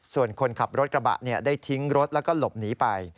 ส่วนคนขับรถกระบะได้ทิ้งรถแล้วก็หลบหนีไป